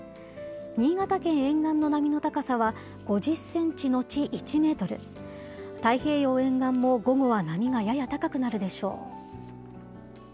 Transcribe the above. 新潟県沿岸の波の高さは５０センチ後１メートル、太平洋沿岸も午後は波がやや高くなるでしょう。